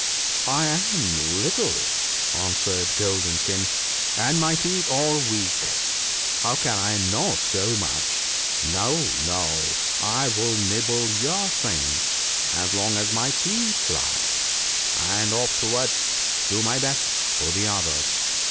* I am little,' answered Golden skin, ' and my teeth are weak — how can I gnaw so much ? No ! no ! I will nibble your strings as long as my teeth last, and afterwards do my best for the others.